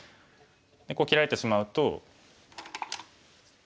こう切られてしまうと。